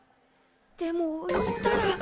でも言ったら。